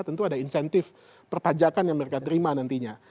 tentu ada insentif perpajakan yang mereka terima nantinya